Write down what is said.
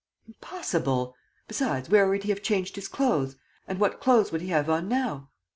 "Impossible! Besides, where would he have changed his clothes? And what clothes would he have on now?"